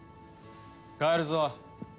帰るぞ。